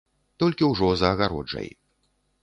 Толькі ўжо за агароджай.